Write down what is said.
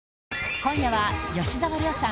今夜は吉沢亮さん